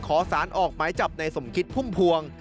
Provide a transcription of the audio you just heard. ขอสารออกหมายจับในสมคิดพุ่มพวง